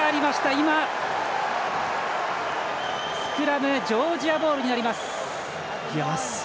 今、スクラムジョージアボールになります。